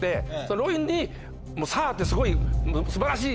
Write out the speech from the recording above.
「ロイン」に「サー」ってすごい素晴らしい！って